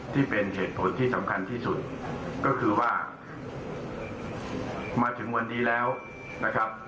ที่เป็นเหตุผลที่สำคัญที่สุดก็คือว่ามาถึงวันนี้แล้วนะครับ